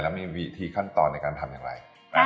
แล้วมีวิธีขั้นตอนในการทำอย่างไร